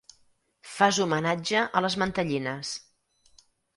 Fas homenatge a les mantellines.